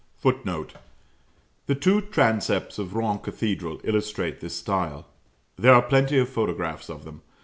[Footnote: The two transepts of Rouen Cathedral illustrate this style. There are plenty of photographs of them.